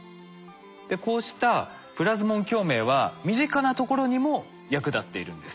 こうしたプラズモン共鳴は身近なところにも役立っているんです。